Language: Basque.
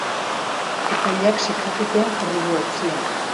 Epaileak sekretupean jarri du auzia.